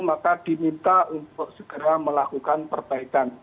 maka diminta untuk segera melakukan perbaikan